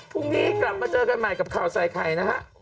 พรุ่งนี้กลับมาเจอกันใหม่กับข่าวใส่ไข่นะฮะ